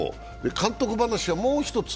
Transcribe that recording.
監督話はもう１つ。